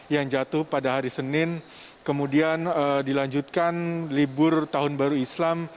yang jatuh pada hari senin kemudian dilanjutkan libur tahun baru islam